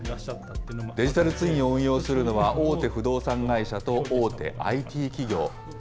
デジタルツインを運用するのは大手不動産会社と大手ＩＴ企業。